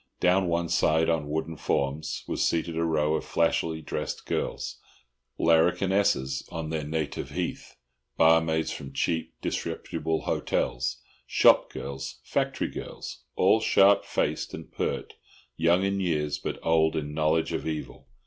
Down one side, on wooden forms, was seated a row of flashily dressed girls—larrikin esses on their native heath, barmaids from cheap, disreputable hotels, shop girls, factory girls—all sharp faced and pert, young in years, but old in knowledge of evil.